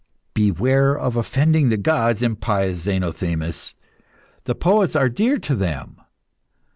Beware of offending the gods, impious Zenothemis; the poets are dear to them.